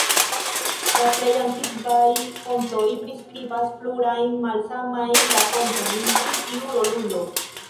La plej antikvaj fontoj priskribas plurajn malsamajn rakontojn pri tiu rolulo.